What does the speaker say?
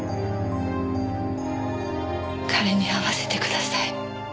彼に会わせてください。